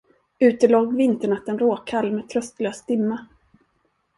Ute låg vinternatten råkall med tröstlös dimma.